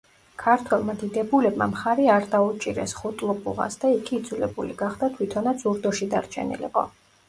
ქართველმა დიდებულებმა მხარი არ დაუჭირეს ხუტლუბუღას და იგი იძულებული გახდა თვითონაც ურდოში დარჩენილიყო.